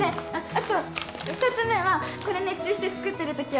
あと２つめはこれ熱中して作ってるときは